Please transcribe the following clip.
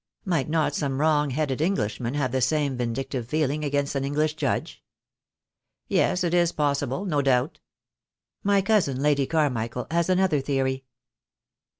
Might not some wrong headed Englishman have the same vin dictive feeling against an English judge?" "Yes, it is possible, no doubt." "My cousin, Lady Carmichael, has another theory."